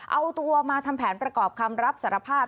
เอาตัวมาทำแผนประกอบคำรับสารภาพ